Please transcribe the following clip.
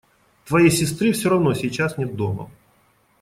Твоей сестры все равно сейчас нет дома.